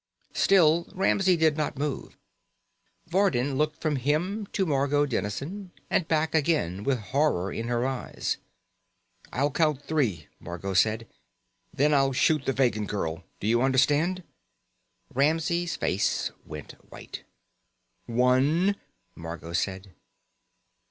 Still Ramsey did not move. Vardin looked from him to Margot Dennison and back again with horror in her eyes. "I'll count three," Margot said. "Then I'll shoot the Vegan girl. Do you understand?" Ramsey's face went white. "One," Margot said.